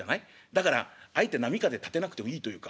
だからあえて波風立てなくていいというか」。